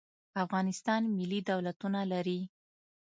افغانستان ملي دولتونه لري.